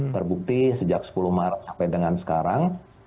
terbukti sejak sepuluh maret sampai dengan sekarang